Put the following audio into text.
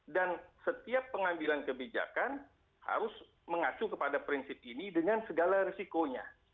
dan setiap pengambilan kebijakan harus mengacu kepada prinsip ini dengan segala risikonya